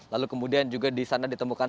lalu kemudian juga disana ditemukan